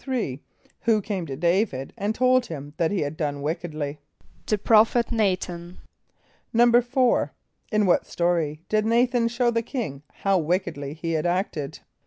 = Who came to D[=a]´vid and told him that he had done wickedly? =The prophet N[=a]´than.= =4.= In what story did N[=a]´than show the king how wickedly he had acted?